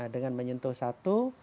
dengan menyentuh satu